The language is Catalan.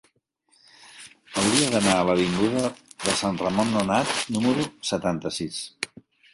Hauria d'anar a l'avinguda de Sant Ramon Nonat número setanta-sis.